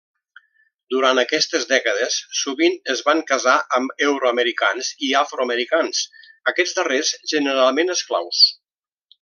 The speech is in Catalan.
Durant aquestes dècades sovint es van casar amb euroamericans i afroamericans, aquests darrers generalment esclaus.